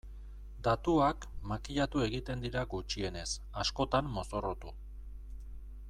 Datuak makillatu egiten dira gutxienez, askotan mozorrotu.